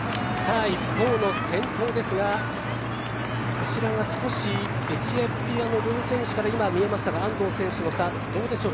一方の先頭ですがこちらが少しエチオピアの選手が今、見えましたが安藤選手の差、どうでしょう。